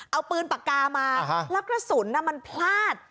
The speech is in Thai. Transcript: เอาปืนปากกามาแล้วกระสุนมันพลาด